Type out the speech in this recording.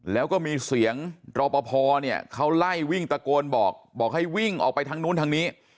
แล้วก็มีเสียงรอปภเนี่ยเขาไล่วิ่งตะโกนบอกบอกให้วิ่งออกไปทางนู้นทางนี้